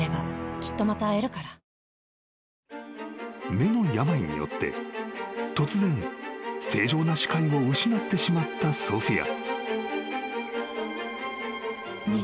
［目の病によって突然正常な視界を失ってしまったソフィア］